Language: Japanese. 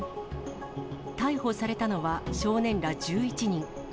逮捕されたのは、少年ら１１人。